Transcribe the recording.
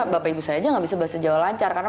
bapak ibu saya aja nggak bisa belajar lancar karena